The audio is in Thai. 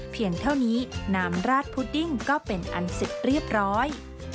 เพียงเท่านี้น้ำราดพุดดิ้งก็เป็นอันเสร็จเรียบร้อย